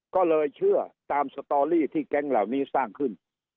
ก็เลยเชื่อตามสตอรี่ที่แก๊งเหล่านี้สร้างขึ้น